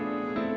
ya aku padamnya